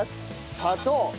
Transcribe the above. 砂糖。